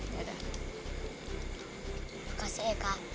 makasih ya kak